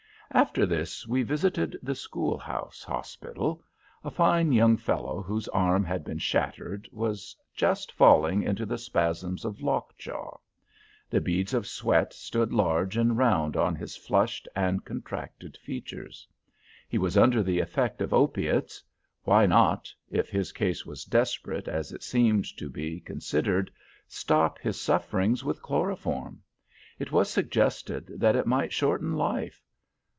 After this, we visited the school house hospital. A fine young fellow, whose arm had been shattered, was just falling into the spasms of lock jaw. The beads of sweat stood large and round on his flushed and contracted features. He was under the effect of opiates, why not (if his case was desperate, as it seemed to be considered) stop his sufferings with chloroform? It was suggested that it might shorten life.